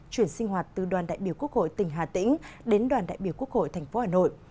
chuyển sinh hoạt từ đoàn đại biểu quốc hội tỉnh hà tĩnh đến đoàn đại biểu quốc hội tp hà nội